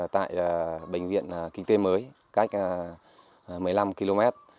tại bệnh viện kinh tế mới cách một mươi năm km